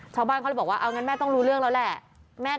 ชาวบ้านเขาเลยบอกว่าเอางั้นแม่ต้องรู้เรื่องแล้วแหละ